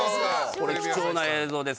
これ貴重な映像です。